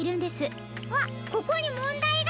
あっここにもんだいが。